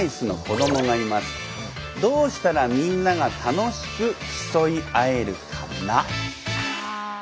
どうしたらみんなが楽しく競い合えるかな？